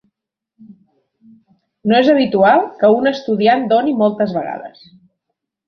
No es habitual que un estudiant doni moltes vegades.